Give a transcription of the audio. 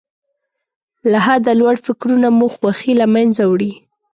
له حده لوړ فکرونه مو خوښۍ له منځه وړي.